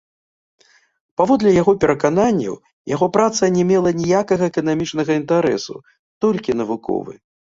Паводле яго перакананняў, яго праца не мела ніякага эканамічнага інтарэсу, толькі навуковы.